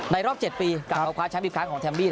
รอบ๗ปีกลับมาคว้าแชมป์อีกครั้งของแฮมมี่